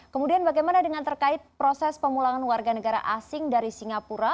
kemudian bagaimana dengan terkait proses pemulangan warga negara asing dari singapura